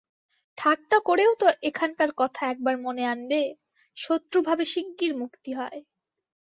ঠাট্টা করেও তো এখানকার কথা একবার মনে আনবে! শত্রুভাবে শীগগীর মুক্তি হয়।